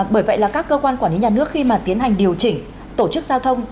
bởi vậy là các cơ quan quản lý nhà nước khi mà tiến hành điều chỉnh tổ chức giao thông